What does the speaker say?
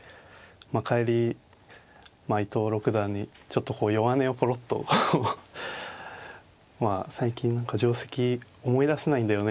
帰り伊藤六段にちょっと弱音をポロッと「最近何か定跡思い出せないんだよね」